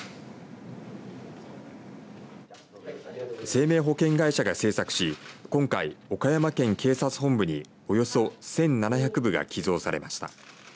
生命保険会社が制作し今回、岡山県警察本部におよそ１７００部が寄贈されました。